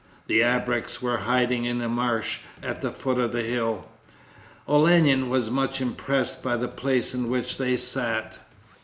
The ABREKS were hiding in a marsh at the foot of the hill. Olenin was much impressed by the place in which they sat.